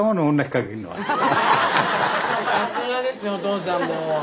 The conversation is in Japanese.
さすがですねおとうさんもう。